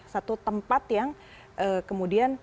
satu tempat yang kemudian